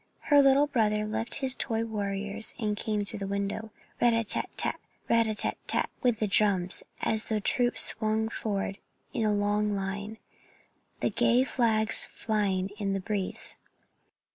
Her little brother left his toy warriors and ran to the window. "Rat a tat tat, rat a tat tat!" went the drums as the troops swung forward in a long line, the gay flags flying in the breeze.